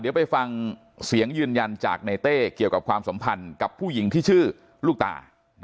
เดี๋ยวไปฟังเสียงยืนยันจากในเต้เกี่ยวกับความสัมพันธ์กับผู้หญิงที่ชื่อลูกตา